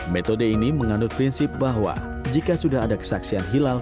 metode ini mengandung prinsip bahwa jika sudah ada kesaksian hilal